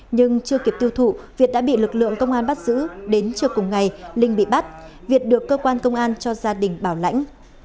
nhưng chưa kịp tiêu thụ việt đã bị lực lượng công an bắt giữ đến trưa cùng ngày linh bị bắt việt được cơ quan công an cho gia đình bảo lãnh